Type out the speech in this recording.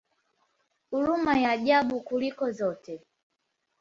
Huruma ya ajabu kuliko zote!